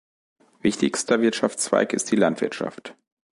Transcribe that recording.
Wichtigster Wirtschaftszweig ist die Landwirtschaft.